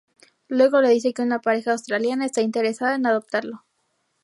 Luego le dice que una pareja australiana está interesada en adoptarlo.